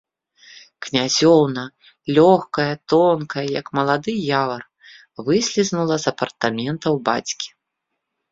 Князёўна, лёгкая, тонкая, як малады явар, выслізнула з апартаментаў бацькі.